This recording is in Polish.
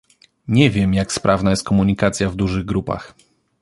Nie wiem, jak sprawna jest komunikacja w dużych grupach